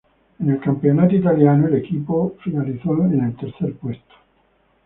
En el campeonato italiano, el equipo finalizó en la tercera ubicación.